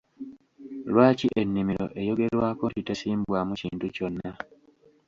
Lwaki ennimiro eyogerwako nti tesimbwamu kintu kyonna?